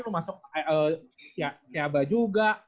lu masuk siaba juga